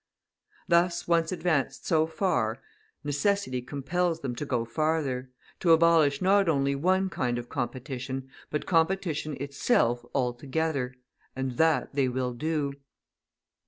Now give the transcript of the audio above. Thus once advanced so far, necessity compels them to go farther; to abolish not only one kind of competition, but competition itself altogether, and that they will do.